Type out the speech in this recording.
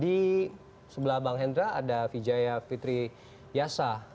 di sebelah bang hendra ada vijaya fitri yasa